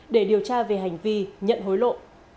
để điều tra về hành vi nhận hối lộ